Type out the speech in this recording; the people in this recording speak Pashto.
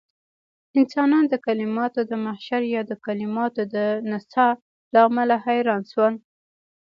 انسانان د کليماتو د محشر يا د کليماتو د نڅاه له امله حيران شول.